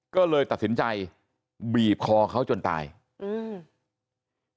ก็เลยตัดสินใจบีบคอเขาจนตายอืม